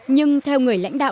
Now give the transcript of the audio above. nhưng theo người lãnh đạo